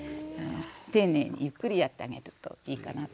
丁寧にゆっくりやってあげるといいかなと。